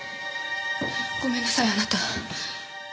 ごめんなさいあなた。